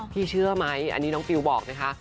เชื่อไหมอันนี้น้องปิวบอกนะคะ